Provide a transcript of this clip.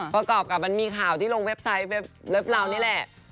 เพราะกอล์ฟมันมีข่าวที่ลงเว็บไซต์เว็บรับราวนี่แหละ